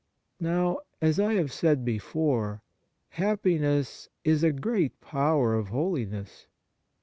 Now, as I have said before, happiness is a great power of holiness.